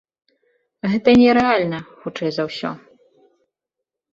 Гэта і нерэальна, хутчэй за ўсё.